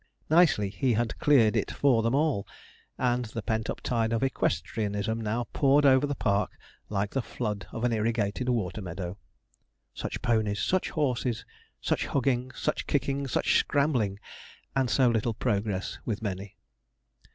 Nicely he had cleared it for them all; and the pent up tide of equestrianism now poured over the park like the flood of an irrigated water meadow. Such ponies! such horses! such hugging! such kicking! such scrambling! and so little progress with many!